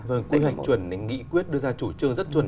vâng quy hoạch chuẩn nghĩ quyết đưa ra chủ trương rất chuẩn